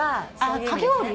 かき氷？